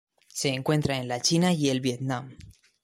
Se encuentra en la China y el Vietnam.